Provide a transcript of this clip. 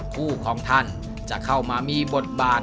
คู่ของท่านจะเข้ามามีบทบาท